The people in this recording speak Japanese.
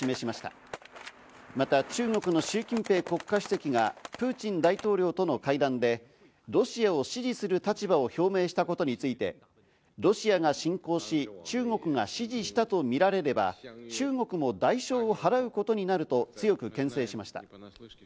また中国のシュウ・キンペイ国家主席がプーチン大統領との会談で、ロシアを支持する立場を表明したことについて、ロシアが侵攻し、中国が指示したとみられれば、中国も代償を払うことになると強く牽制しました。